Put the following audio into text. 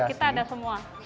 kita ada semua